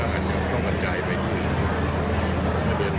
แล้วบททองถิ่นยกตะแย่งที่เชียงมายเอง